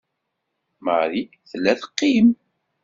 Marie tella teqqim.